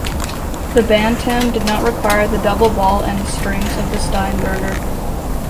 The Bantam did not require the double-ball end strings of the Steinberger.